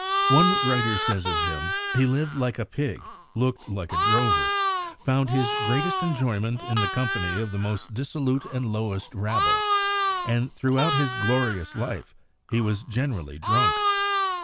One writer says of him: "He lived like a pig, looked like a drover, found his greatest enjoyment in the company of the most dissolute and lowest rabble, and throughout his glorious life he was generally drunk."